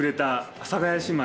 阿佐ヶ谷姉妹！